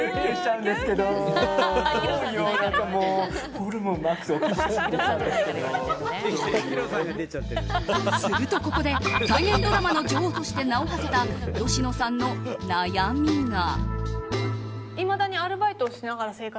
すると、ここで再現ドラマの女王として名を馳せた芳野さんの悩みが。